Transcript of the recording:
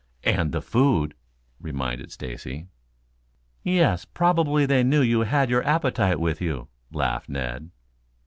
"And the food," reminded Stacy. "Yes. Probably they knew you had your appetite with you," laughed Ned.